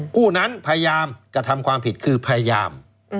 ผู้นั้นพยายามกระทำความผิดคือพยายาม